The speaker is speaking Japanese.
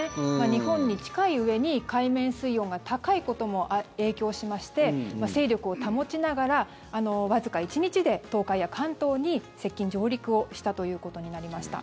日本に近いうえに海面水温が高いことも影響しまして勢力を保ちながらわずか１日で東海や関東に接近・上陸をしたということになりました。